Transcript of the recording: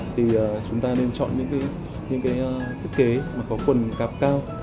thì chúng ta nên chọn những cái thiết kế mà có quần càp cao